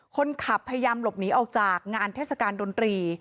คนขับพยายามหลบหนีออกจากงานเทศกาลดนตรี